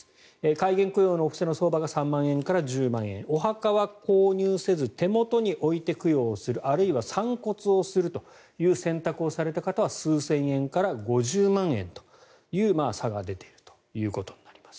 開眼供養のお布施の相場が３万円から１０万円お墓は購入せず手元に置いて供養するあるいは散骨するという選択をされた方は数千円から５０万円という差が出ているということになります。